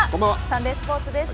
サンデースポーツです。